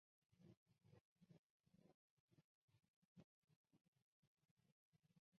岩藿香为唇形科黄芩属下的一个种。